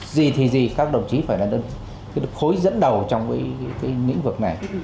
gì thì gì các đồng chí phải là khối dẫn đầu trong cái nguyên vực này